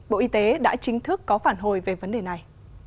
bộ y tế đã chính thức có phản hồi về vấn đề này